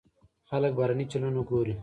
خلک بهرني چینلونه ګوري.